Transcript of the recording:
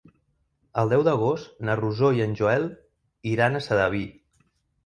El deu d'agost na Rosó i en Joel iran a Sedaví.